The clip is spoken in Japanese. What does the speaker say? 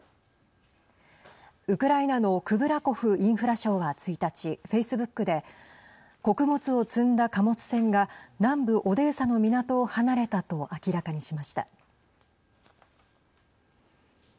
ウクライナのクブラコフインフラ相は１日、フェイスブックで穀物を積んだ貨物船が南部オデーサの港を離れたと明らかにしました。